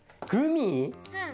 うん。